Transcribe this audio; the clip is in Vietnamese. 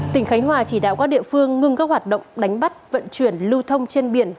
tỉnh khánh hòa chỉ đạo các địa phương ngưng các hoạt động đánh bắt vận chuyển lưu thông trên biển